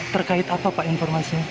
terkait apa pak informasinya